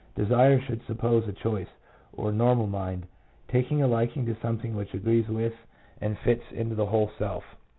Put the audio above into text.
Desire should suppose a choice, or a normal mind taking a liking to something which agrees with and fits into the whole self.